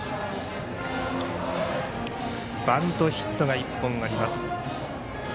バントヒットが１本あります。